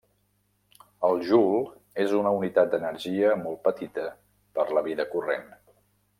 El joule és una unitat d'energia molt petita per la vida corrent.